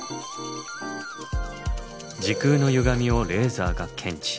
時空のゆがみをレーザーが検知。